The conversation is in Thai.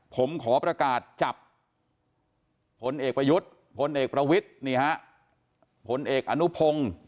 ผมขอประกาศจับพลเอกประยุทธ์พลเอกประวิทย์นี่ฮะผลเอกอนุพงศ์